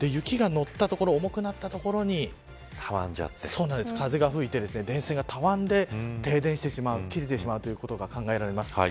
雪が乗ったところ重くなったところに風が吹いて、電線がたわんで停電してしまう、消えてしまうということが考えられます。